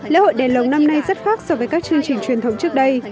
lễ hội đền lồng năm nay rất khác so với các chương trình truyền thống trước đây